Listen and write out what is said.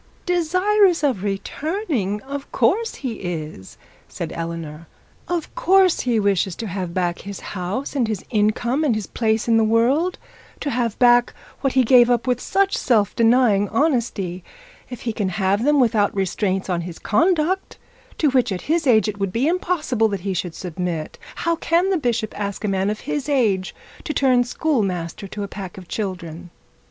'Desirous of returning of course he is,' said Eleanor; 'of course he wishes to have back his house and his income, and his place in the world; to have back what he gave up with such self denying honesty, if he can have them without restraints on his conduct to what at his age it would be impossible that he should submit. How can the bishop ask a man of his age to turn schoolmaster to a pack of children?'